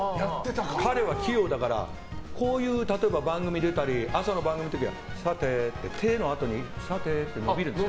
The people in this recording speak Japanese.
彼は器用だから例えば番組に出たり朝の番組の時はさてえってさてのあとが伸びるんです。